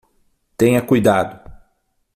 Tenha cuidado